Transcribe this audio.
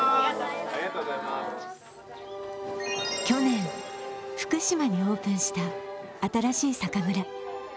去年、福島にオープンした新しい酒蔵。